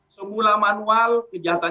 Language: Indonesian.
semula manual kejahatan